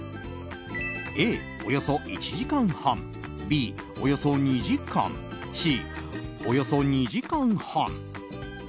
Ａ、およそ１時間半Ｂ、およそ２時間Ｃ、およそ２時間半。